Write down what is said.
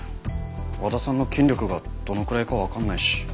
和田さんの筋力がどのくらいかわかんないし。